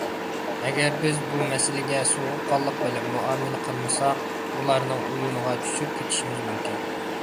ئەگەر بىز بۇ مەسىلىگە سوغۇققانلىق بىلەن مۇئامىلە قىلمىساق، ئۇلارنىڭ ئويۇنىغا چۈشۈپ كېتىشىمىز مۇمكىن.